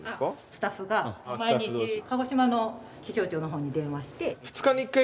スタッフが毎日鹿児島の気象庁の方に電話して。